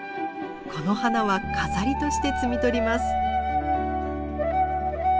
この花は飾りとして摘み取ります。